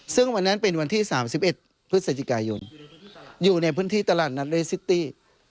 ซึ่งวันนั้นเป็นวันที่๓๑พฤศจิกายนอยู่ในพื้นที่ตลาดนัดเรซิตี้